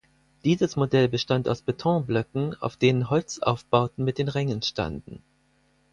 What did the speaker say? Dieses Modell bestand aus Betonblöcken, auf denen Holzaufbauten mit den Rängen standen.